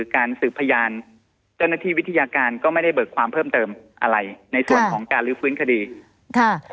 การสืบพยานเจ้าหน้าที่วิทยาการก็ไม่ได้เบิกความเพิ่มเติมอะไรในส่วนของการลื้อฟื้นคดีค่ะ